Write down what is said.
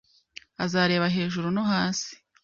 Azareba hejuru no hasi